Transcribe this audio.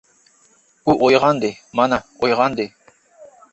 ئۇ ئويغاندى، مانا، ئويغاندى!